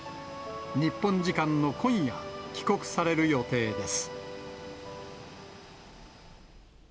日本時間の今夜、帰国される予定です。